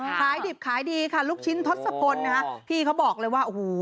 ขายดิบขายดีค่ะลูกชิ้นทศพลข้อบอกว่า